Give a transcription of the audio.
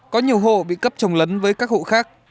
có nhiều hộ bị cấp trồng lấn với các hộ khác